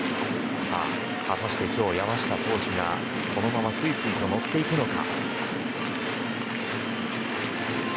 果たして今日、山下投手がこのまますいすいと乗っていくのか。